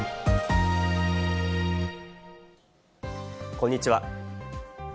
こんにちは。